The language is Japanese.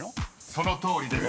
［そのとおりです］